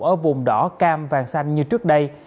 ở vùng đỏ cam vàng xanh như trước đây